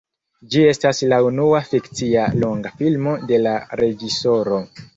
Ĝi estas la unua fikcia longa filmo de la reĝisoro.